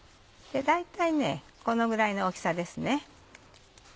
大体このぐらいの大きさですね。